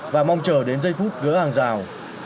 và mong chờ đến giây phút gỡ hàng rào